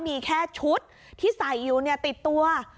มีแค่ชุดที่ใส่อยู่เนี่ยติดตัว